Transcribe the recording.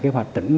kế hoạch tỉnh